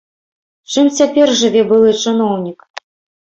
Чым цяпер жыве былы чыноўнік?